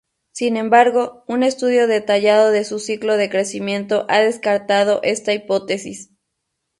Sin embargo, un estudio detallado de su ciclo de crecimiento ha descartado esta hipótesis.